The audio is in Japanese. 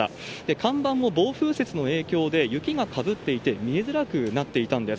看板も暴風雪の影響で雪がかぶっていて見えづらくなっていたんです。